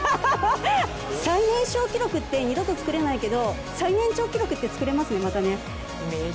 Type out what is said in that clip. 最年少記録って二度と作れないけど、最年長記録って作れますよね、またね。